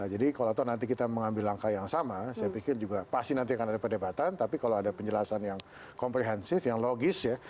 jadi kalau nanti kita mengambil langkah yang sama saya pikir juga pasti nanti akan ada perdebatan tapi kalau ada penjelasan yang komprehensif yang logis ya